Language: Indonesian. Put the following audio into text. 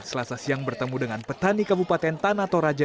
selasa siang bertemu dengan petani kabupaten tanah toraja